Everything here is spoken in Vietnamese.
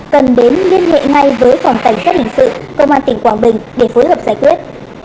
cần đến liên hệ ngay với phòng cảnh sát hình sự công an tỉnh quảng bình để phối hợp giải quyết